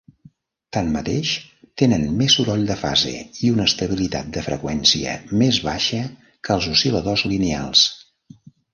Tanmateix tenen més soroll de fase i una estabilitat de freqüència més baixa que els oscil·ladors lineals.